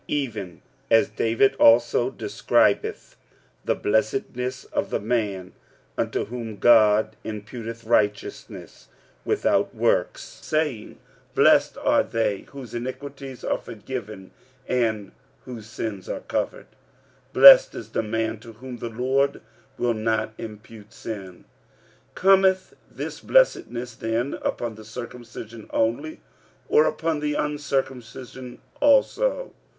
45:004:006 Even as David also describeth the blessedness of the man, unto whom God imputeth righteousness without works, 45:004:007 Saying, Blessed are they whose iniquities are forgiven, and whose sins are covered. 45:004:008 Blessed is the man to whom the Lord will not impute sin. 45:004:009 Cometh this blessedness then upon the circumcision only, or upon the uncircumcision also?